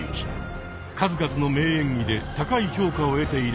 数々の名演技で高い評価を得ている